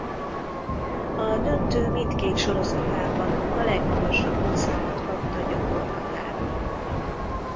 A döntő mindkét sorozatában a legmagasabb pontszámot kapta gyakorlatára.